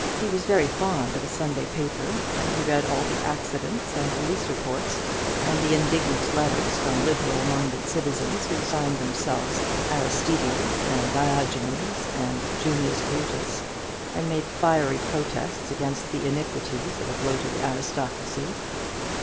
He was very fond of a Sunday paper; and he read all the accidents and police reports, and the indignant letters from liberal minded citizens, who signed themselves Aristides, and Diogenes, and Junius Brutus, and made fiery protests against the iniquities of a bloated aristocracy.